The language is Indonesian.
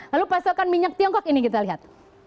lalu pasokan minyak tiongkok ini kita lihat